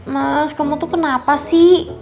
mas kamu tuh kenapa sih